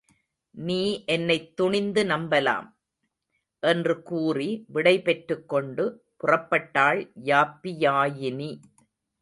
நீ என்னைத் துணிந்து நம்பலாம்? என்று கூறி விடைபெற்றுக்கொண்டு புறப்பட்டாள் யாப்பியாயினி.